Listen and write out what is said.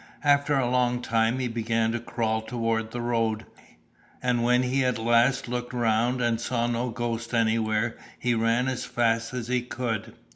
After a long time he began to crawl toward the road; and when he at last looked around and saw no ghost anywhere, he ran as fast as he could.